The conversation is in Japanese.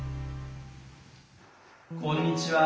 こんにちは。